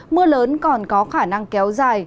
mưa lớn còn có khả năng kéo dài